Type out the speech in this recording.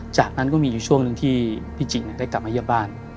จากนั้นก็มีอยู่ช่วงหนึ่งที่พี่จิได้กลับมาเยี่ยมบ้าน